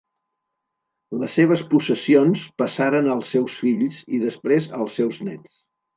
Les seves possessions passaren als seus fills, i després als seus néts.